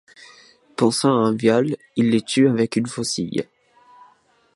Pensant à un viol, il les tue avec une faucille.